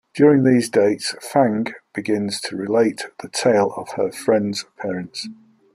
During these dates, Fang begins to relate the tale of her friend's parents.